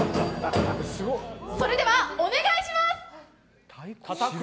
それではお願いします。